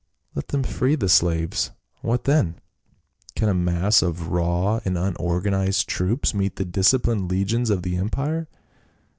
Let them free the slaves, what then ? Can a mass of raw, unorganized troops meet the disciplined legions of the empire?"